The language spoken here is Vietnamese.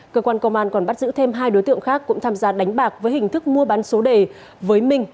cơ quan công an còn bắt giữ thêm hai đối tượng khác cũng tham gia đánh bạc với hình thức mua bán số đề với minh